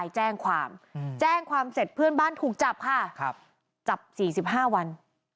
แจ้งความแจ้งความเสร็จเพื่อนบ้านถูกจับค่ะครับจับสี่สิบห้าวัน